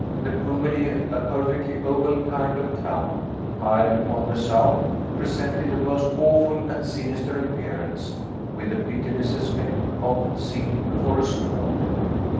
The cumuli, a perfectly oval kind of cloud, piled upon the south, presented a most awful and sinister appearance, with the pitiless aspect often seen before a storm.